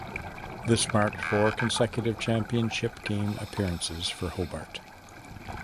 This marked four consecutive championship game appearances for Hobart.